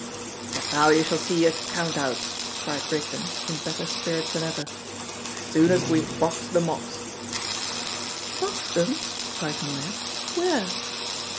"And now you shall see a count out," cried Rigden, in better spirits than ever, "as soon as we've boxed the mobs." "Boxed them!" cried Moya. "Where?"